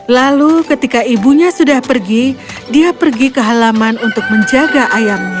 lalu ketika ibunya sudah pergi dia pergi ke halaman untuk menjaga ayamnya